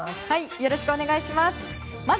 よろしくお願いします。